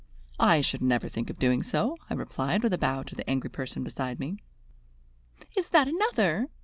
"I should never think of doing so," I replied, with a bow to the angry person beside me. "Is that another?"